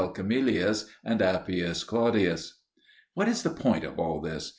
Camillus and Appius Claudius. What is the point of all this?